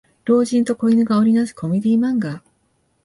老人と子犬が織りなすコメディ漫画